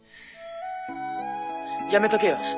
やめとけよ。